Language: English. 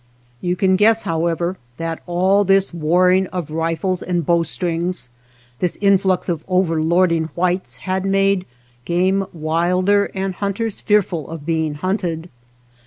You can guess, however, that all 165 THE BASKET MAKER this warring of rifles and bowstrings, this influx of overlording whites, had made game wilder and hunters fearful of being hunted.